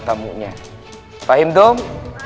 tamunya paham dong